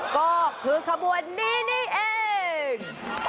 ก็คือขบวนนี้นี่เอง